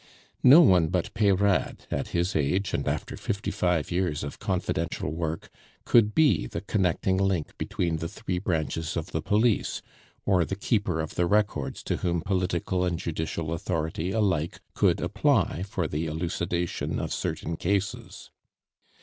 No one but Peyrade, at his age, and after fifty five years of confidential work, could be the connecting link between the three branches of the police, or the keeper of the records to whom political and judicial authority alike could apply for the elucidation of certain cases.